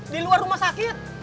di luar rumah sakit